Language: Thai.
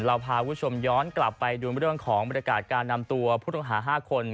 เราพาคุณผู้ชมย้อนกลับไปดูเรื่องของบรรยากาศการนำตัวผู้ต้องหา๕คน